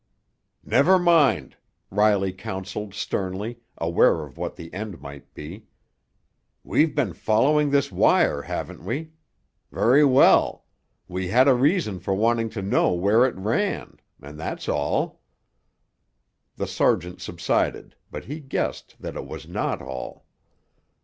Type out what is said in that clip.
"Never mind!" Riley counseled sternly, aware of what the end might be. "We've been following this wire, haven't we? Very well! We had a reason for wanting to know where it ran. And that's all." The sergeant subsided, but he guessed that it was not all.